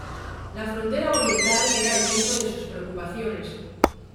La frontera oriental era el centro de sus preocupaciones.